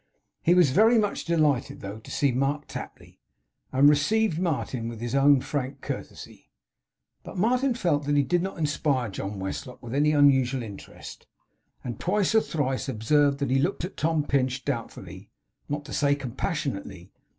He was very much delighted, though, to see Mark Tapley; and received Martin with his own frank courtesy. But Martin felt that he did not inspire John Westlock with any unusual interest; and twice or thrice observed that he looked at Tom Pinch doubtfully; not to say compassionately.